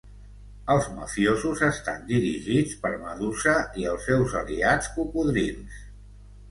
Els mafiosos estan dirigits per Medusa i els seus aliats cocodrils.